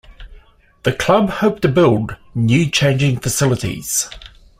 The club hope to build new changing facilities.